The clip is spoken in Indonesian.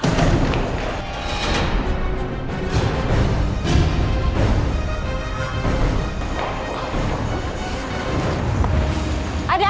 ya terus ber yo